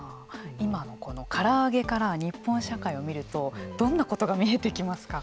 今のこのから揚げから日本社会を見るとどんなことが見えてきますか？